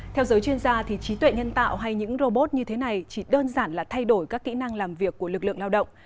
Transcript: theo giới chuyên gia trí tuệ nhân tạo hay những robot như thế này chỉ đơn giản là thay đổi các kỹ năng làm việc của lực lượng lao động